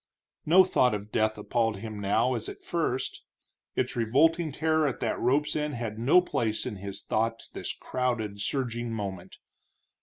No thought of death appalled him now as at first; its revolting terror at that rope's end had no place in his thought this crowded, surging moment.